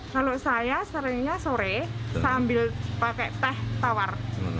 kalau saya seringnya sore sambil pakai teh tawar